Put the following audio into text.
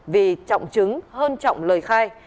vì trọng chứng hơn trọng lời khai